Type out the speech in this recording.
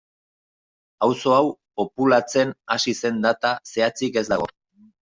Auzo hau populatzen hasi zen data zehatzik ez dago.